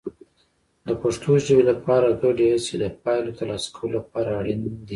د پښتو ژبې لپاره ګډې هڅې د پایلو ترلاسه کولو لپاره اړین دي.